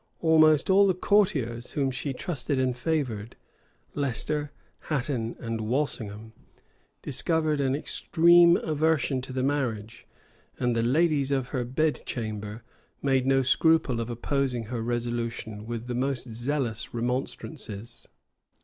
Almost all the courtiers whom she trusted and favored Leicester, Hatton, and Walsingham discovered an extreme aversion to the marriage; and the ladies of her bed chamber made no scruple of opposing her resolution with the most zealous remonstrances.